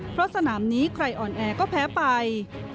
เพราะสนามนี้ใครอ่อนแอก็แพ้ไป